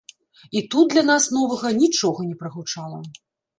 І тут для нас новага нічога не прагучала.